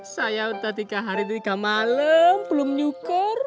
saya udah tiga hari tiga malem belum nyukur